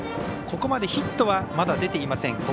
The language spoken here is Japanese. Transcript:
ここまでヒットはまだ出ていません。